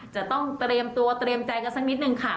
จะต้องเตรียมตัวเตรียมใจกันสักนิดนึงค่ะ